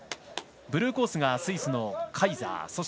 ブルーコースがスイスのカイザー。